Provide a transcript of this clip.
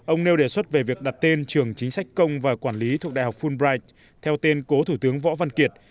ông nêu đề xuất về việc đặt tên trường chính sách công và quản lý thuộc đại học fulbright theo tên cố thủ tướng võ văn kiệt